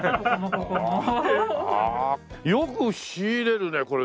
よく仕入れるねこれ。